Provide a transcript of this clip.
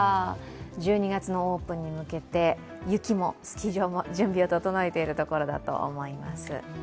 １２月のオープンに向けて雪もスキー場も準備を整えているところだと思います。